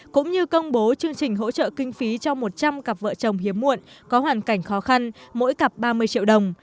cũng như công bố chương trình hỗ trợ kinh phí cho một trăm linh cặp vợ chồng hiếm muộn có hoàn cảnh khó khăn mỗi cặp ba mươi triệu đồng